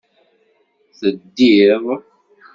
Teddiḍ.